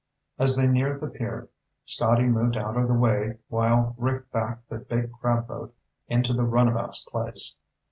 As they neared the pier, Scotty moved out of the way while Rick backed the big crab boat into the runabout's place.